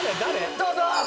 どうぞ！